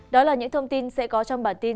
đó là những thông tin sẽ có trong bản tin